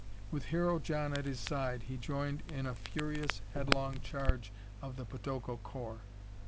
With Hero John at his side he joined in an furious headlong charge of the podoko corps.